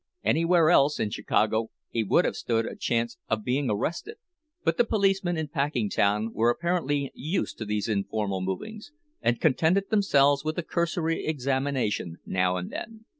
Anywhere else in Chicago he would have stood a good chance of being arrested; but the policemen in Packingtown were apparently used to these informal movings, and contented themselves with a cursory examination now and then.